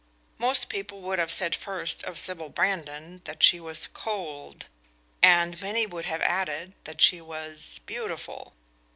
Most people would have said first of Sybil Brandon that she was cold, and many would have added that she was beautiful.